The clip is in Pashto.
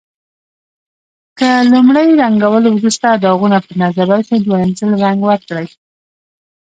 که له لومړي رنګولو وروسته داغونه په نظر راشي دویم ځل رنګ ورکړئ.